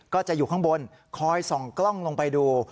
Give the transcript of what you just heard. ก็จะอยู่ข้างบนคอยส่องกล้องลงไปดู